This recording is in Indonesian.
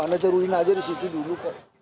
anda jeruin aja di situ dulu